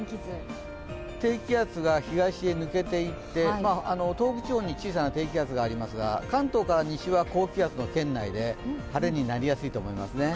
低気圧が東へ抜けていって東北地方に小さな低気圧がありますが関東から西は高気圧の圏内で晴れになりやすいと思います。